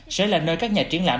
sẽ là nơi các nhà triển lãm